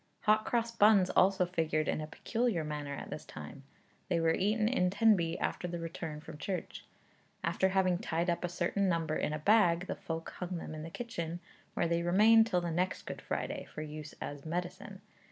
Hot cross buns also figured in a peculiar manner at this time. They were eaten in Tenby after the return from church. After having tied up a certain number in a bag, the folk hung them in the kitchen, where they remained till the next Good Friday, for use as medicine.